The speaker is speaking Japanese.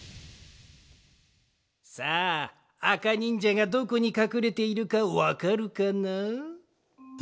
さああかにんじゃがどこにかくれているかわかるかな？